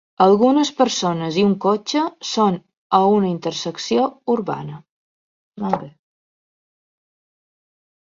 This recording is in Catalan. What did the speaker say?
Algunes persones i un cotxe són a una intersecció urbana.